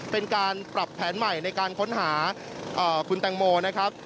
เป็นการปรับแผนใหม่ในการค้นหาคุณแตงโมนะครับ